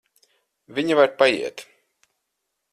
Viņa var paiet.